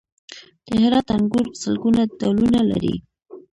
د هرات انګور سلګونه ډولونه لري.